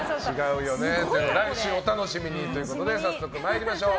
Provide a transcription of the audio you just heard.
来週お楽しみにということで早速参りましょう。